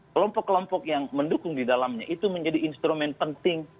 kelompok kelompok yang mendukung di dalamnya itu menjadi instrumen penting